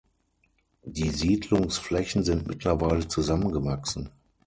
Die Siedlungsflächen sind mittlerweile zusammengewachsen.